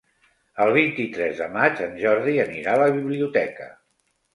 El vint-i-tres de maig en Jordi anirà a la biblioteca.